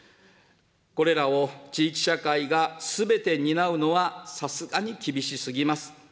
これらを地域社会がすべて担うのは、さすがに厳しすぎます。